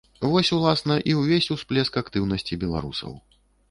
Вось уласна і ўвесь усплеск актыўнасці беларусаў.